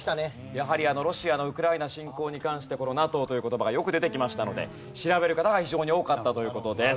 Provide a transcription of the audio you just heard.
やはりロシアのウクライナ侵攻に関してこのＮＡＴＯという言葉がよく出てきましたので調べる方が非常に多かったという事です。